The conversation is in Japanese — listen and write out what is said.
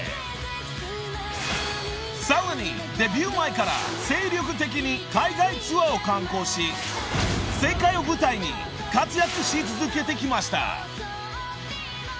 ［さらにデビュー前から精力的に海外ツアーを敢行し世界を舞台に活躍し続けてきました］